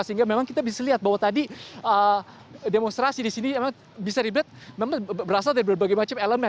sehingga memang kita bisa lihat bahwa tadi demonstrasi di sini memang bisa dilihat memang berasal dari berbagai macam elemen